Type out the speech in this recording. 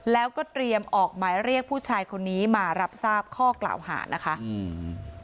แล้วก็เตรียมออกหมายเรียกผู้ชายคนนี้มารับทราบข้อกล่าวหานะคะอืม